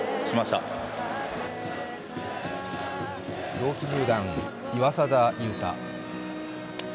同期入団、岩貞祐太。